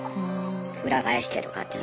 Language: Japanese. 裏返してとかって。